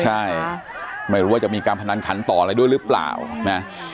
ใช่ไม่รู้ว่าจะมีการพนันขันต่ออะไรด้วยหรือเปล่านะ